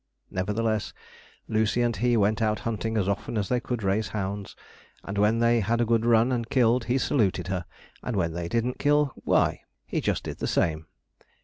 Nevertheless, Lucy and he went out hunting as often as they could raise hounds, and when they had a good run and killed, he saluted her; and when they didn't kill, why he just did the same.